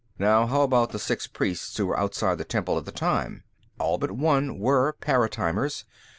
Now, how about the six priests who were outside the temple at the time? All but one were paratimers.